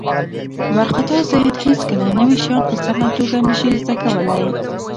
وارخطا ذهن هیڅکله نوي شیان په سمه توګه نه شي زده کولی.